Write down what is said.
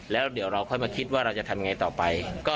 แล้วเดี๋ยวเราค่อยมาคิดว่าเราจะทำยังไงต่อไป